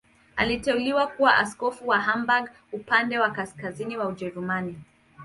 Aliteuliwa kuwa askofu wa Hamburg, upande wa kaskazini wa Ujerumani.